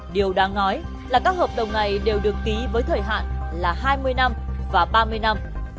điều đáng nói là các hợp đồng này đều được ký với thời hạn là hai mươi năm và ba mươi năm